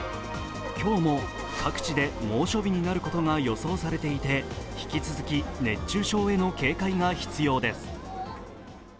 今日も各地で猛暑日になることが予想されていて引き続き熱中症への警戒が必要です。